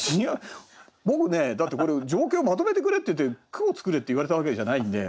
僕ねだってこれ情景をまとめてくれっていって句を作れって言われたわけじゃないんで。